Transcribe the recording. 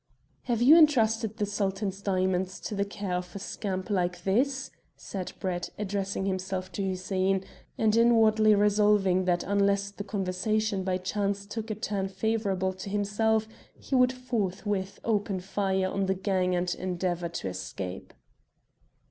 "Have you entrusted the Sultan's diamonds to the care of a scamp like this?" said Brett, addressing himself to Hussein, and inwardly resolving that unless the conversation by chance took a turn favourable to himself, he would forthwith open fire on the gang and endeavour to escape.